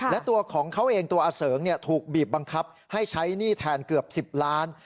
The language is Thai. และตัวของเขาเองตัวอเสริงถูกบีบบังคับให้ใช้หนี้แทนเกือบ๑๐ล้าน